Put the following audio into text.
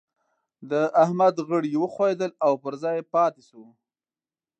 د احمد غړي وښوئېدل او پر ځای پاته شو.